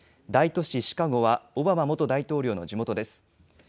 大都市シカゴはオバマ元大統領の地元です。